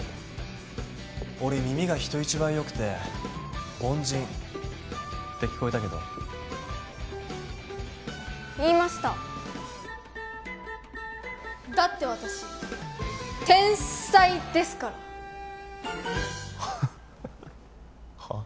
俺耳が人一倍よくて凡人って聞こえたけど言いましただって私天才ですからハハッはあ？